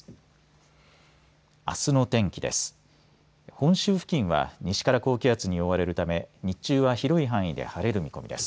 本州付近は西から高気圧に覆われるため日中は広い範囲で晴れる見込みです。